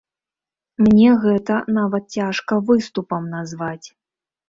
Мне гэта нават цяжка выступам назваць.